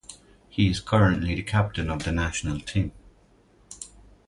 He is currently the captain of the national team.